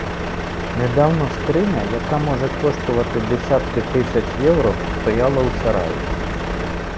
Недавно скриня, яка може коштувати десятки тисяч євро, стояла у сараї.